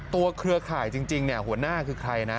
ตัวเครือข่ายจริงหัวหน้าคือใครนะ